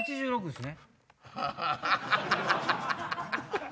８６です！